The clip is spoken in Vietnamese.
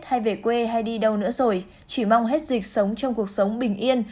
hay về quê hay đi đâu nữa rồi chỉ mong hết dịch sống trong cuộc sống bình yên